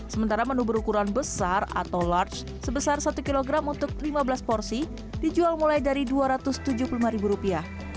sementara menu berukuran besar atau large sebesar satu kg untuk lima belas porsi dijual mulai dari dua ratus tujuh puluh lima ribu rupiah